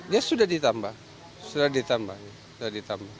ya sudah ditambah sudah ditambah